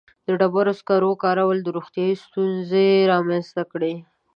• د ډبرو سکرو کارولو روغتیایي ستونزې رامنځته کړې.